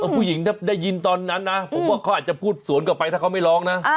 ผู้หญิงถ้าได้ยินตอนนั้นนะผมว่าเขาอาจจะพูดสวนกลับไปถ้าเขาไม่ร้องนะ